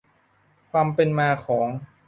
ความเป็นมาของ